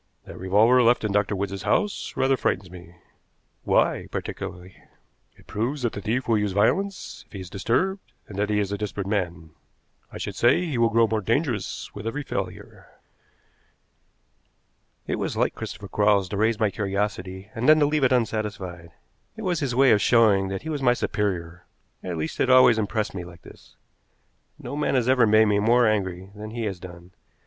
That revolver left in Dr. Wood's house rather frightens me." "Why, particularly?" "It proves that the thief will use violence if he is disturbed, and that he is a desperate man. I should say he will grow more dangerous with every failure." It was like Christopher Quarles to raise my curiosity, and then to leave it unsatisfied. It was his way of showing that he was my superior at least, it always impressed me like this. No man has ever made me more angry than he has done.